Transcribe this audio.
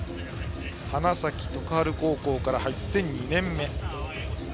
花咲徳栄高校から入って２年目。